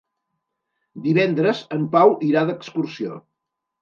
Divendres en Pau irà d'excursió.